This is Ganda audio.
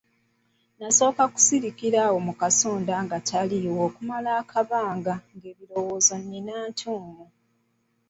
Nze nasooka kusiriikirira awo mu kasonda ng'ataliiwo okumala akabanga ng'ebirowoozo nnina ntuumu.